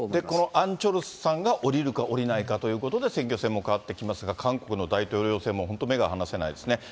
このアン・チョルスさんが降りるか降りないかということで、選挙戦も変わってきますが、韓国の大統領選も本当目が離せないですね。